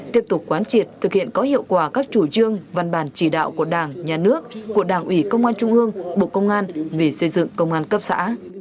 tiếp tục quán triệt thực hiện có hiệu quả các chủ trương văn bản chỉ đạo của đảng nhà nước của đảng ủy công an trung ương bộ công an vì xây dựng công an cấp xã